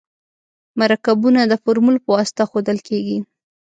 مرکبونه د فورمول په واسطه ښودل کیږي.